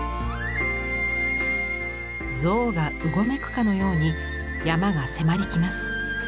象がうごめくかのように山が迫り来ます。